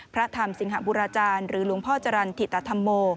พระธรรมสิงหบุราจารย์หรือหลวงพ่อจรรย์ถิตธรรมโม